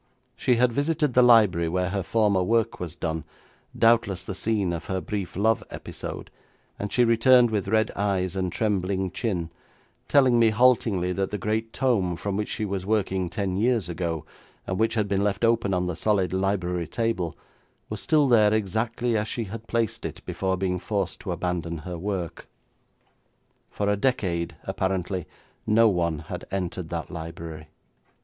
She had visited the library where her former work was done, doubtless the scene of her brief love episode, and she returned with red eyes and trembling chin, telling me haltingly that the great tome from which she was working ten years ago, and which had been left open on the solid library table, was still there exactly as she had placed it before being forced to abandon her work. For a decade apparently no one had entered that library.